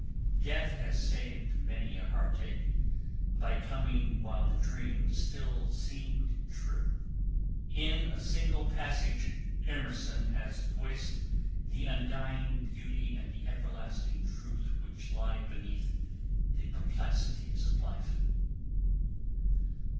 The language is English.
Death has saved many a heartache, by coming while the dream still seemed true. In a single passage, Emerson has voiced the undying beauty and the everlasting truth which lie beneath the perplexities of life.